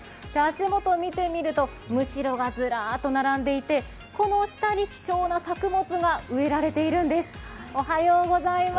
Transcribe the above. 足元を見てみると、むしろがずらっと並んでいてこの下に希少な作物が植えられているんです。